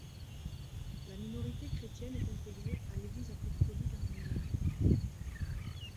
La minorité chrétienne est intégrée à l'Église apostolique arménienne.